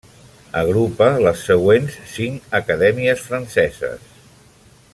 Agrupa les següents cinc acadèmies franceses.